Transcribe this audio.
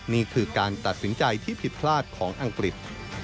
นี่คือการตัดสินใจที่ผิดพลาดของอังกฤษ